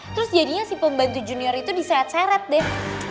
terus jadinya si pembantu junior itu disehat seret deh